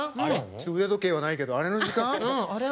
ちょっと腕時計はないけどあれの時間？